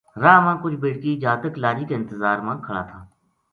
راہ ما کُجھ بیٹکی جاتک لاری کا انتظار ما کھلا تھا